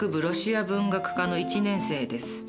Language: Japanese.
ロシア文学科の１年生です。